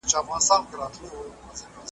ته لاهو په تنهایی کي .